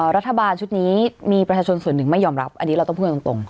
รัฐบาลชุดนี้มีประชาชนส่วนหนึ่งไม่ยอมรับอันนี้เราต้องพูดตรง